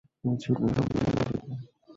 ছিল সম্মান ও মর্যাদা।